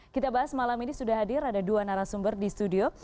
kita bahas malam ini sudah hadir ada dua narasumber di studio